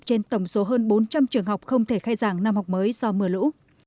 trên tổng số hơn bốn trăm linh trường học không thể khai giảng năm học mới do mưa lũ